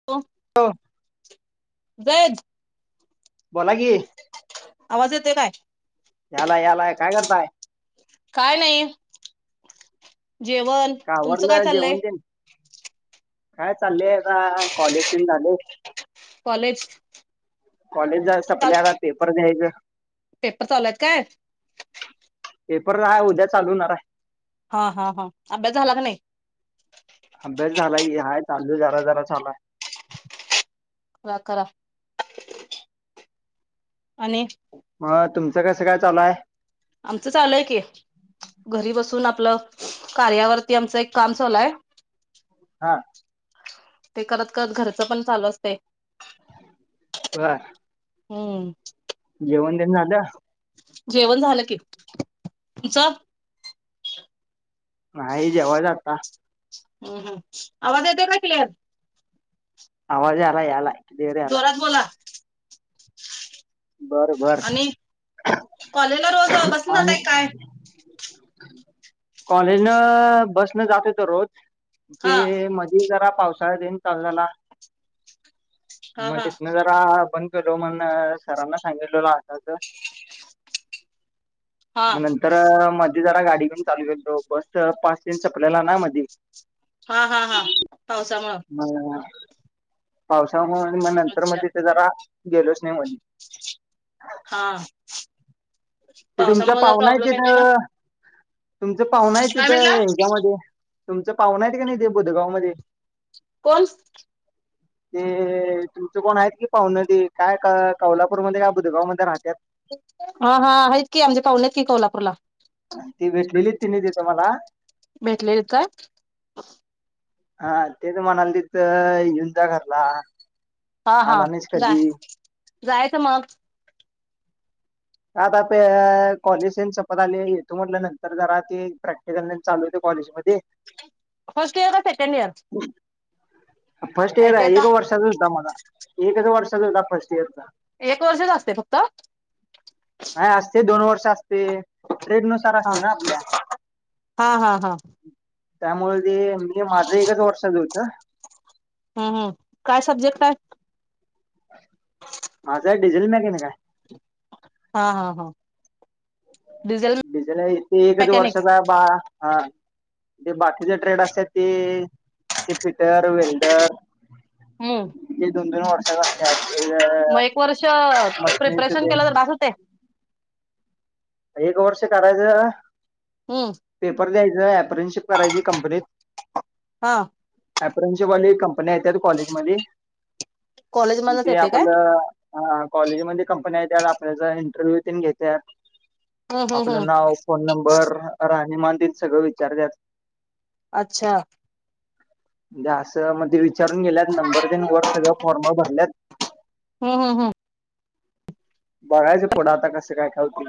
Hello. बोला की. आवाज येतोय काय, याला याला काय करताय काय नाही. जेवण. का तुमचं काय आवरलं चाललंय? जेवण तेन काय चाललंय, आता कॉलेज तेन झालंय. कॉलेज कॉलेज जरा चाल सपलय आता पेपर द्यायचं. पेपर चालू आहेत काय. पेपर हाय उद्या चालू हुणार हाय. हा हा हा अभ्यास झाला की नाही. अभ्यास झाला क हा झाला की जरा जरा चालू आहे. करा करा. आणि मग तुमचं कसं काय चालू आहे. आमचं चालू हाय की घरी बसून आपलं, कार्यावरती आमचं एक काम चालू हाय. हा. ते करत करत घरचं पण चालू असतयं. बरं. हम्म. जेवण तेन झालं. जेवण झालं की तुमचं नाही जेव्हा आत्ता. हम् हम आवाज येते का क्लिअर आवाज याला याला. क्लिअर याला जोरात बोला. बर बर आणि कॉलेजला रोज बसून आणि जाताय काय? कॉलेज न बसन जात होतो रोज ते हा म जरा पावसाळा दिन चल झाला हा मग हा तथन जरा बंद केलो म्हण सरांना सांगितलेला आताच हा नंतर माझ जरा गाडी घून चालू केलो बस पास टेन संपलेल्यांना मधी हा हा हा पावसामुंळ. मग पावसाळ्यामुळे आणि नंतर म अच्छा तिथे जरा गेलोच नाही म्हण- हा. ते तुमचा पावसामुळे जरा पाहुना आहे प्रॉब्लेम येतोय ना तिथं. तुमचा पाहुना आहे काय तिथ म्हणला ह्याच्यामध्ये. तुमचा पाहुणा का नाही ते इथे बुधगाव मध्ये. कोण? ते तुमच कोण आहेत कि पाव्हणं ते. काय कोल्हापूरमध्ये काय बुधगाव मध्ये राहत्यात. हा हा. आहेत की आमचे पाव्हणे की कोल्हापूरला. ते भेटलेलेत तिन्ही तिथे मला. भेटलेले का? हा. तेच म्हणाल तिथं येऊन जा घरला. हा हा. आला नाहीस जा कधी जायचं मग? आता ते कॉलेजन सम्पत आले. येतो म्हटल नंतर जरा ते प्रॅक्टिकल चालू होते कॉलेजमध्ये. ते- फर्स्ट इयर का सेकंड इयर फर्स्ट इयर आहे. आयटीआयचा एका वर्षाचा होता माझा. एकच वर्षाचा होता फर्स्ट इयरचा. एक वर्षच असतेय फक्त? हां. असतय दोन वर्ष असते. ट्रेड नुसार हा असते ना आपल्या? हा हा हा. त्यामुळे ते, मी माझं एकच वर्षाच गेलं होतं. हां. हां. काय सब्जेक्ट काय? माझा डिझेल मॅकॅनिक आहे. हा हा हा. डिझेल बिज नाही ते एकच मेकॅनिक्स वर्षाचा- बा हा ते. बाकीचे ट्रेड असतात ते- फिटर, वेल्डर- हम्म ते दोन दोन वर्षाचे असत्यात. मग एक वर्ष प्रिपरेशन केलं तर [unintelligible] बास होते एक वर्ष करायचं- हम्. पेपर द्यायच. अप्रनशिप करायची हा कंपनीत- अप्रनशवाली कंपन्या येतात कॉलेजमध्ये कॉलेज मधनच ते येते काय आपलं- हा. कॉलेजमध्ये कंपन्या आहेत त्या आपल्याचा इंटरव्हू घेत्यात. हम्म हम्म हम्म आपलं नाव, फोन नंबर, राहणीमान तिथे सगळं विचारत्यात. अच्छा. द्या असं मग ते विचारून गेल्यात. नंबर तेन वर सगळं फॉर्म भरल्यात. हम् हम हम्. बघायचं पुढ आता कसं काय खाऊतील.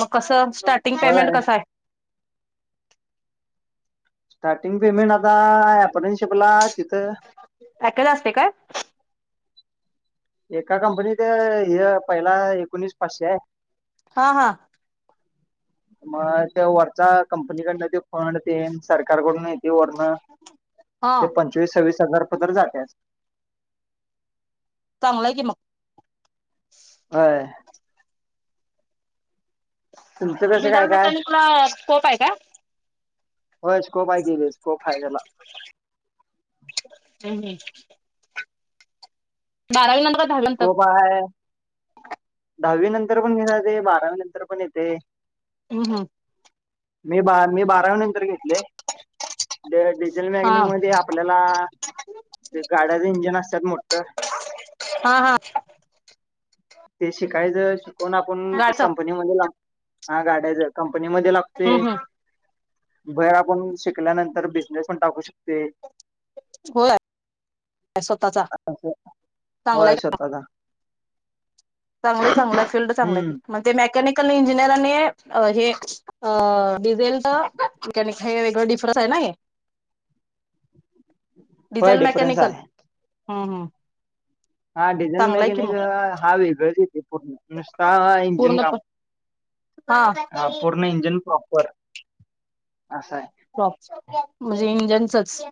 मग कसं, स्टार्टिंग पेमेंट होय कसं आहे? स्टार्टिंग पेमेंट आता अप्रनशिपला - पॅकेज असते का? एका कंपनीत हे पहिला एकोणीस पाचशे आहे. हा हा. मग ते वरच्या कंपनीकडन ते फंड- ते सरकारकडून येतय वरन हा ते पंचवीस सव्वीस हजार पर्यन्त जात्यात. चांगलंय कि मग. व्हय. तुमचं कसं काय डिझेल काय मेकॅनिकला स्कोप हाय काय? होय स्कोप हाय केलीस. स्कोप हाय त्याला. हम्म हम्म. बारावी नं [unintelligible] स्कोप हाय. दहावी नंतर पण घेेत ते बारावी नंतर पण येते. हम्म हम्म. मी बा मी बारावी नंतर घेतले. डिझेल हा मॅगनिग मध्ये आपल्याला. गाड्याचे इंजन असतात मोठं. हा हा. ते शिकायचं. शिकवून आपण गाडीचा कंपनीमध्ये लाव हा गाड्याचं कंपनीमध्ये लाव हम्म ते. हम्म बाहेर आपण शिकल्यानंतर बिझनेस पण टाकू शकते. होय स्वतःचा [inaudible] चांगलाय होय स्वता चा. चागलय चागलय फील्ड चांगलंय हम्म की. म ते मेकॅनिकल इंजिनियर आणि हे अ डिझेलच [unintelligible] हे वेगळं डिफरनस हाय ना हे? होय डीझल डिफरन्स मेकॅनिकल. आहे हम्म हम्म. हा डिझेल चांगलाय की मग मेकॅनिकल. हा वेगळाचेते पूर्ण. नुसता इंजन पूर्ण पण काम, हा पूर्ण इंजिन प्रॉपर. असाय. प्रॉ म्हणजे इंजनचच.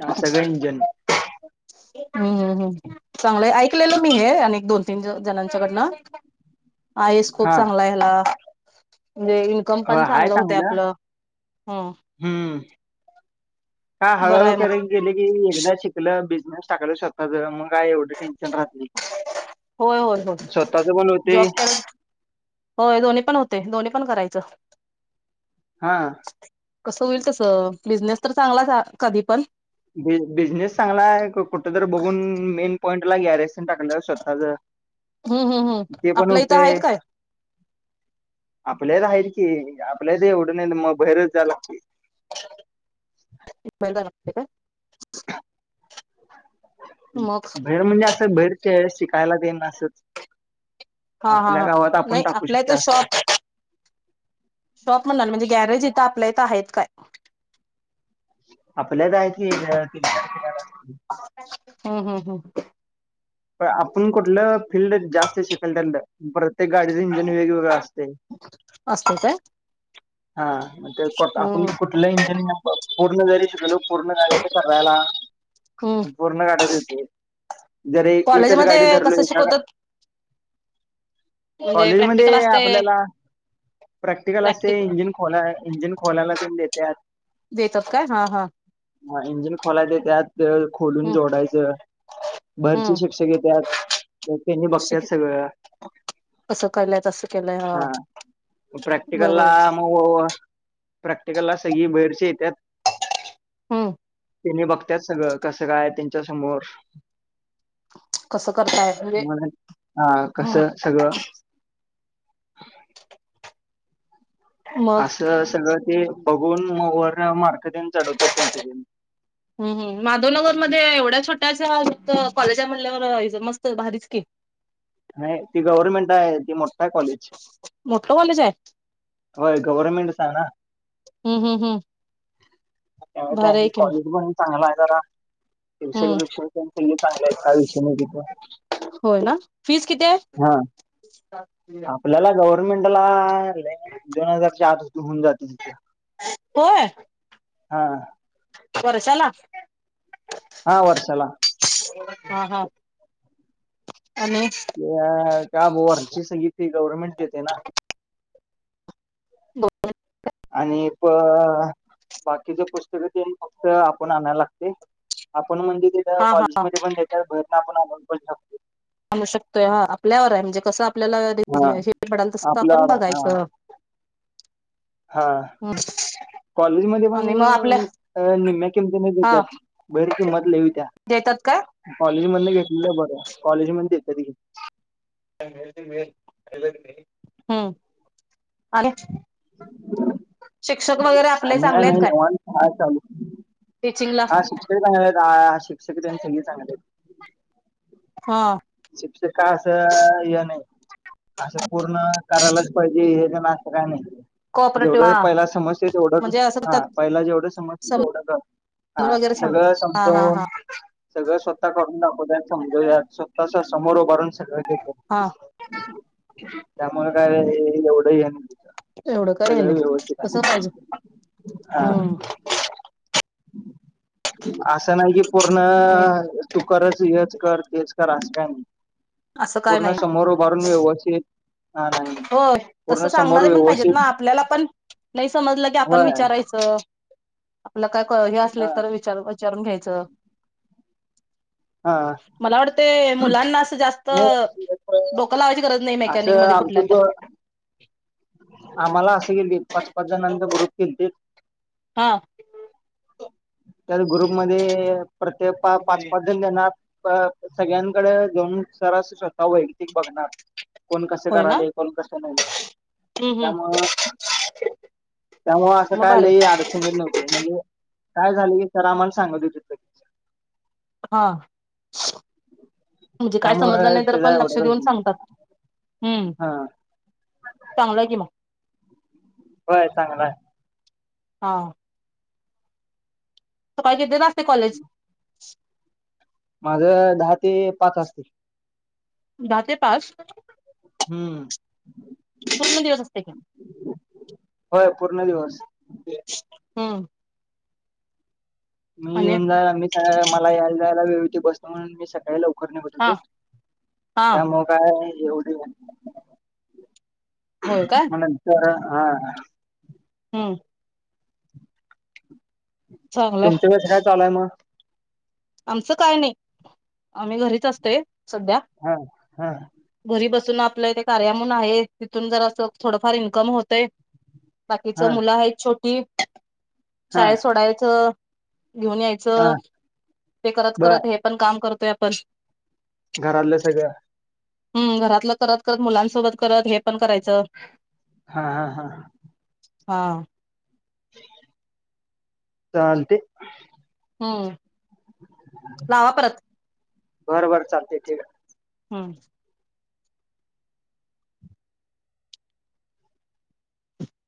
हा सगळ इंजन. हम्म हम्म हम्म. चांगलंय. ऐकलेलं मी हे अ दोन तीन जनाच्याकडन. आयस खूप हा चांगला ह्याला. म्हणजे इन्कम होय पण हाय चांगलं होतय आपलं. हम्म. हम्म का बरं हळूहळू आहे मग करे गेले की, एकदा शिकल. बिझनेस टाकूल शक आ मग काय एवढी टेन्शन राहत नाही. होय होय होय स्वतःच पण होते. जॉब करत होय दोन्ही पण होते. दोन्ही पण करायचं. हा. कसं होईल तसं. बिझनेस तर चांगलाच कधी पण. बि बिझनेस चांगलाय. कु कुठं तर बघून मेन पॉईंट ला गॅरेज तेन टाकल्या स्वतःच. हम्म हम्म हम्म. आपल्या इथं हायेत काय? आपल्यात आहेतल की. आपल्या एवढं नाही मग बाहेरच जा लागते. बाहेर जा लागते का? मग बाहेर म्हणजे असं, बाहेर चे शिक शिकायला तेन असच. हा हा आपल्या हा गावात आपण नाही टाकू आपल्या शकतोय इथं असं. शॉप शॉप म्हणाल. म्हणजे गॅरेज इथं आपल्या इथं हायेत काय? आपल्या इथं आहे कि. [unintelligible] हम्म हम्म हम्म. प आपण कुठलं फील्ड जास्त शिकेल त्यातील. प्रत्येक गाडीचं इंजन वेगवेगळं असतय. असतय काय? हा म ते आपण हम् कुठलं इंजिनिरि पूर्ण जरी शिकलो पूर्ण झाल तर करायला हम् पूर्ण गाड्याच येत. जर एक एकच गाडी कॉलेजमध्ये धरलो कसं एका शिकवतात म्हणजे कॉलेज प्रॅक्टिकल मध्ये असते आपल्याला प्रॅक्टिकल अस प्रॅक्टिक जीन खोला इंजिन खोलायला तेन देतात. देतत काय हा हा हा इंजिन खोलाय ते त्यात अं खोलून हम् जोडायचं भरची हम् शिक्षक येत्यात त्यांनी बघत्यात शिक सगळ कसं केलंय तस केलंय हं हा प्रॅक्टिकलला मग प्रॅक्टिकलला सगळी बैरच्या येत्यात हम्मम त्यांनी बघत्या सगळं कसं काय त्यांच्या समोर कसं करताय म्हणजे मःमला हा कसं सगळं मग असं सगळं ते बघून मग वर मारक दिन चढवत्यात त्यांचे दिन हम् हम माधवनगर मध्ये एवढ्या अ छोट्या हा फक्त कॉलेजा म्हणल्यावर अ मस्त भारीच कि नाही ती गव्हर्मेंट आहे ती मोठा कॉलेज मोठं कॉलेज आहे होय गव्हर्नमेंटचा आहे ना हम् हम् हम् त्या भारी आहे की मग कॉलेज बंद चांगला आहे जरा शव स हम्म पेक्ष पले चांगले आहेत का विषय नाही तिथं होय ना फिज किती हा आहे आपल्याला गव्हर्नमेंटला ले दोन हजार चे आार सुध होऊन जाते तिथे होय हाआ वर्षांला हा वर्षांला हां हांआणि का ब वरची सगळी फि गव्हर्नमेंट देते ना बं आणिप अं बाकीचे पुस्तक ते फक्त आपण आणायला लागते आपण म्हणजे त्याच्या हा हा कॉलेजमध्ये पण भहेर आपण पण शकतो म्हणू शकतोय ह आपल्यावर आहे म्हणजे कसं आपल्याला हा हे पडाल तसच आपला आपण हा बघायचं [inaudible] हो कॉलेज मध्ये पण अ निम्म्या किंमती नाही त्या्या हा भैर किंमत ल होत्या देतात का कॉलेज मध्ये घेतलेलं आहे बरं कॉलेज मध्ये येत त हम्म आलेत शिक्षक वगैरे आपले आणि चांगलेत नाही काय निवांत हाय चालू. टीचिंगला हा शिक्षक चांगले आहेत शिक्षकेत्यांचं हे चांगलं हा शिक्ष का असं य नाही असं पूर्ण करायलाच पाहिजे हे तर नातं काय नाही कोऑपरेटिव्ह जेवढं हा पहिला समज तेवढं म्हणजे असं हा त्यात पहिला जेवढं समजते समजून तेवढं क हा वगैरे सांग सगळं हा हा समजून हा सगळं स्वतः करून दाखव दचं म्हणजे या स्वतःच समोर उभारून सगळं घेत हा त्यामुळेळ काय एवढं आहे ना एवढं काय हे सगळं नाही व्यवस्थित आहे तसं पाहिजे हा हम्म असं नाही की पूर्ण तू करच हेच कर तेच कर अस काय नाही असं काय पूर्ण नाही समोर भारून व्यवस्थित हा नाही नाही हो तस पूर्ण समोर सांगणारे पण पाहिजेत ना व्यवस्थित आपल्याला पण नाही समजलं की आपण होय विचारायचं आपल्या काय क हे असले हा तर विचार विचारून घ्यायचं हा मला वाटतेय मुलांना असं जास्त नाही लोकलावाज गज नाही असं मेकनिकमध्ये कुठ. आमचं आम्हाला असं क पाच पाच जणांंत बरोर केत देत. हां त्यात ग्रुप मध्ये प्रत्येक पाच पाच जण देणार. सगळ्यांकडे जान सरास स्वतः वैयक्तिक बघणार. कोण कसे होय ना करायले कोण कसे नाही. हम् हम् त्यामुळ त्यामुळ असं मग काय बरे लई अड ्ह म्हणजे काय झाली स आमला सांग तिथ. हा म्हणजे काय समजलं त्यामुळे नाही तर पण त्याचा लक्ष एवढा देऊन सांगतात. हम्म हा चांगलं कि म होय चांगलाय. हा स काय केतेत असते कॉलेज माझ दहा ते पाच असते. द ते पाच हम्म कू्ण दिवस असते का? होय पूर्ण दिवस हम मी आणि येऊन जायला मी मला यायला जायला वेवती बतो म्हणून मी सकाळी लव बू हा तू हा त्यामु काय एवढी होय का? म विचार हा हम्म चांगलंय तुमं कस काय चालय मग आमचं काय नाही आम्ही घरीच असतोय सध्या हा हा घरी बसून आपलं इ ते कार्यामुून आहे तिथून जरा असं थोडंफार इन्कम होतय. बाकीच हा मुलं आहेत छोटी हा शाळेत सोडायचं. घेऊन हा यायचं ते करत बर करत हे पण काम करतोय आपण घरलं सगळं हम् घरातलं करत करत मुलांसोबत करत हे पण करायचं. हा हा हा हा चालतय हम्म लावा परत घरभर चालते ठीक आहे. हम्म